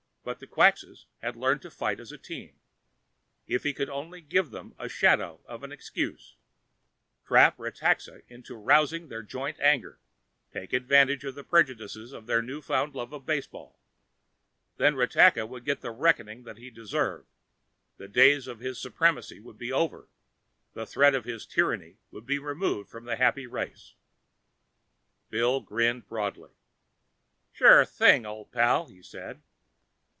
But the Quxas had learned to fight as a team. If he could only give them the shadow of an excuse, trap Ratakka into rousing their joint anger, take advantage of the prejudices of their new found love for baseball, then Ratakka would get the reckoning that he deserved, the days of his supremacy would be over, the threat of his tyranny would be removed from a happy race. Bill grinned broadly. "Sure thing, old pal," he said.